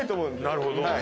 なるほど。